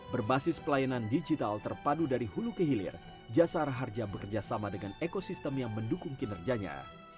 berbasis pelayanan digital terpadu dari hulu kehilir jasara harja bekerjasama dengan ekosistem yang mendukung kinerjanya